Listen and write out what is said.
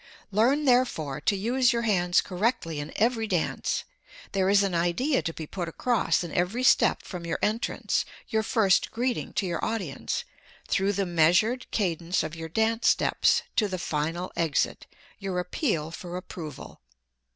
Learn, therefore, to use your hands correctly in every dance. There is an idea to be put across in every step from your entrance your first greeting to your audience through the measured cadence of your dance steps, to the final exit your appeal for approval.